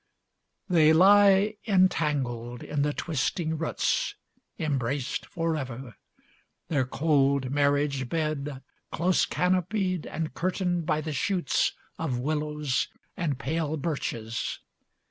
LXII They lie entangled in the twisting roots, Embraced forever. Their cold marriage bed Close canopied and curtained by the shoots Of willows and pale birches.